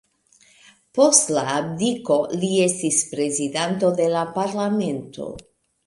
Post la abdiko li estis prezidanto de la parlamento.